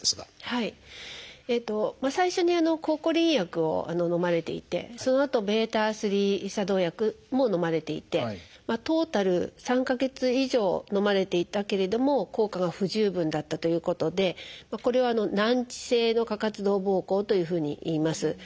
最初に抗コリン薬をのまれていてそのあとβ作動薬ものまれていてトータル３か月以上のまれていたけれども効果が不十分だったということでこれは難治性の過活動ぼうこうというふうにいいます。